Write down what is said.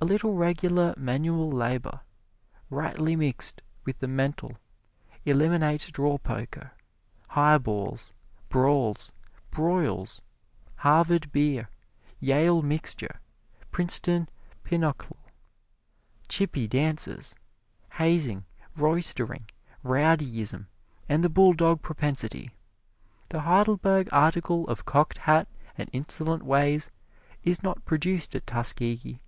A little regular manual labor, rightly mixed with the mental, eliminates draw poker, highballs, brawls, broils, Harvard Beer, Yale Mixture, Princeton Pinochle, Chippee dances, hazing, roistering, rowdyism and the bulldog propensity. The Heidelberg article of cocked hat and insolent ways is not produced at Tuskegee.